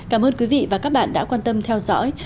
cảm ơn quý vị và các bạn đã quan tâm theo dõi